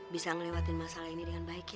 bisa ngelewatin masalah ini dengan baik